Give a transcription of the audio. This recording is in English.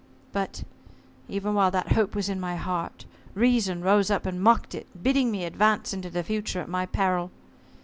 But, even while that hope was in my heart, reason rose up and mocked it, bidding me advance into the Future at my peril.